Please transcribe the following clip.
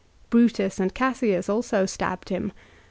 Brutus and Cassius also stabbed him.